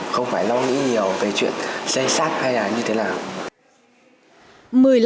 không phải lo nghĩ nhiều về chuyện xây xác hay là như thế nào